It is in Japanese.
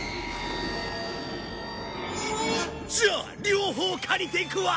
じゃあ両方借りていくわ。